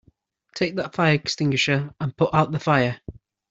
Take that fire extinguisher and put out the fire!